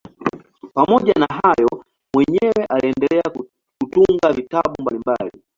Pamoja na hayo mwenyewe aliendelea kutunga vitabu mbalimbali.